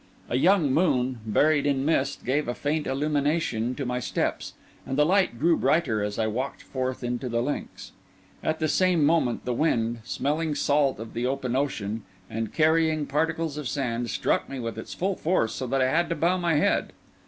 A young moon, buried in mist, gave a faint illumination to my steps; and the light grew brighter as I walked forth into the links. At the same moment, the wind, smelling salt of the open ocean and carrying particles of sand, struck me with its full force, so that I had to bow my head.